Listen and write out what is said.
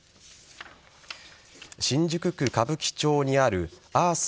新宿区歌舞伎町にあるあーす